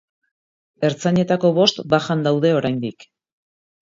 Ertzainetako bost bajan daude oraindik.